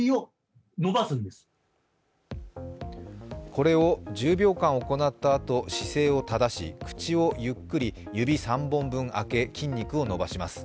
これを１０秒間行ったあと姿勢を正し口をゆっくり指３本分あけ筋肉を伸ばします。